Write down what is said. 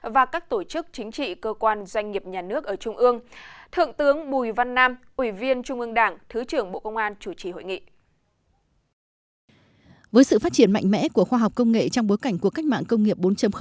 với sự phát triển mạnh mẽ của khoa học công nghệ trong bối cảnh của cách mạng công nghiệp bốn